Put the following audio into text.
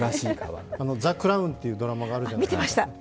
「ザ・クラウン」というドラマがあるじゃないですか。